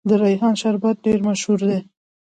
د ریحان شربت ډیر مشهور دی.